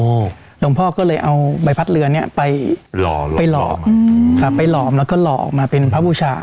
หลวงพ่อก็เลยเอาใบพัดเรือนี้ไปหลอมแล้วก็หลอมมาเป็นพระบูชา